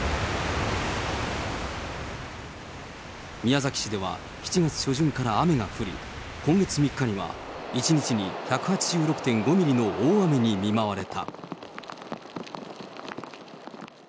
宮崎市では７月初旬から雨が降り、今月３日には、１日に１８６．５ミリの大雨に見舞われた。